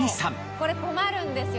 これ困るんですよ